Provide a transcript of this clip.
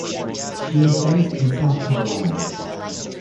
She is based in South Carolina.